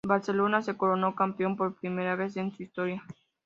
Barcelona se coronó campeón por primera vez en su historia.